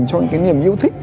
cho những cái niềm yêu thích